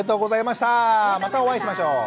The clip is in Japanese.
またお会いしましょう。